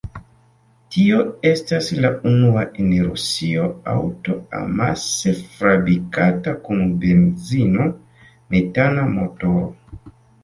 Tio estas la unua en Rusio aŭto, amase fabrikata kun benzino-metana motoro.